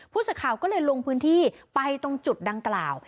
ผู้สื่อข่าวก็เลยลงพื้นที่ไปตรงจุดดังกล่าว